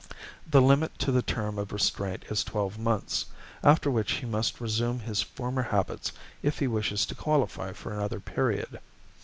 The limit to the term of restraint is twelve months, after which he must resume his former habits if he wishes to qualify for another period.